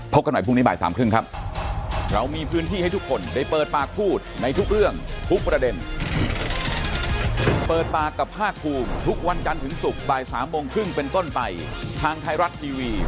กันใหม่พรุ่งนี้บ่ายสามครึ่งครับ